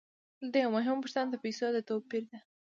دلته یوه مهمه پوښتنه د پیسو د توپیر ده